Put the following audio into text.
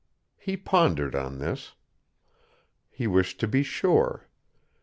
He pondered on this. He wished to be sure.